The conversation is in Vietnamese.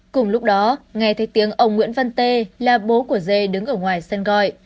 cùng lúc đó nghe thấy tiếng ông nguyễn văn tê là bố của dê đứng ở ngoài sân gọi